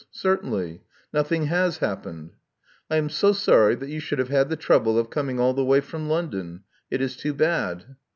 Certainly. Nothing has happened." "I am so sorry that you should have had the trouble of coming all the way from London. It is too bad."